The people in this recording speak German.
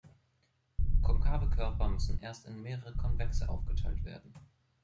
Konkave Körper müssen erst in mehrere konvexe aufgeteilt werden.